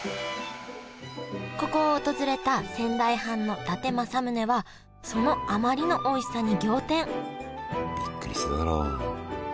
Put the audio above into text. ここを訪れた仙台藩の伊達政宗はそのあまりのおいしさに仰天びっくりしただろう。